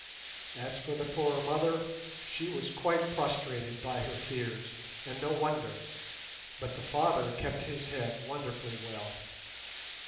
As for the poor mother, she was quite prostrated by her fears, and no wonder, but the father kept his head wonderfully well.